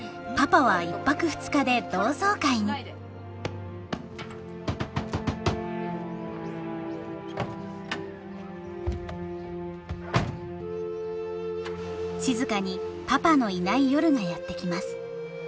そんな時静にパパのいない夜がやって来ます。